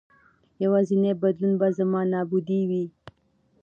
یوازېنی بدلون به زما نابودي وي.